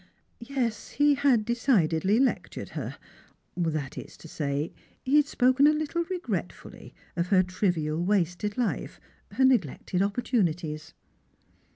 Yes, he had decidedly lectured her. That is to say, he had spoken a little regretfully of her trivial wasted life — her neg lected opportunities.